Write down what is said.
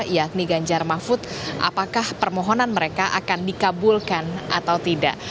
yakni ganjar mahfud apakah permohonan mereka akan dikabulkan atau tidak